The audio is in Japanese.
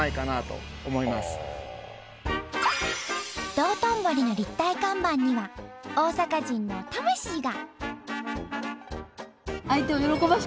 道頓堀の立体看板には大阪人の魂が。